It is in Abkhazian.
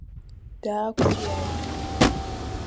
Даақәҵәиааит.